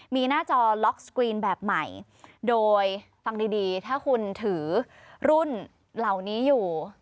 มีหน้าจอล็อกสกรีนแบบใหม่โดยฟังดีดีถ้าคุณถือรุ่นเหล่านี้อยู่